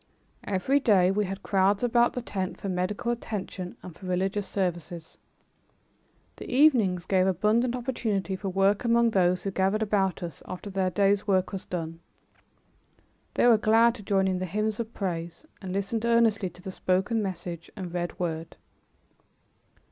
Every day we had crowds about the tent for medical attention and for religious services. The evenings gave abundant opportunity for work among those who gathered about us after their day's work was done. They were glad to join in the hymns of praise, and listened earnestly to the spoken message and read word.